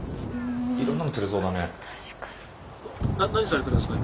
何されてるんですか？